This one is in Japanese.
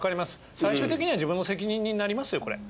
最終的には自分の責任になりますよこれ。